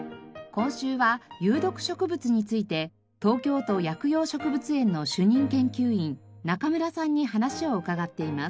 今週は有毒植物について東京都薬用植物園の主任研究員中村さんに話を伺っています。